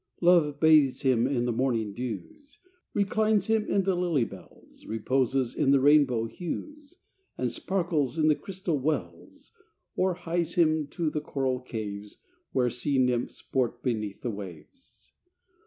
Love bathes him in the morning dews, Reclines him in the lily bells, Reposes in the rainbow hues, And sparkles in the crystal wells, Or hies him to the coral caves, Where sea nymphs sport beneath the waves.